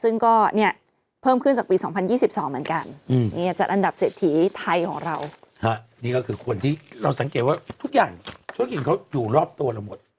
นี่ก็คือคนที่เราสังเกตว่าทุกอย่างเขาอยู่รอบตัวเรามด